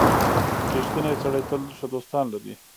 • رښتینی سړی تل ښه دوستان لري.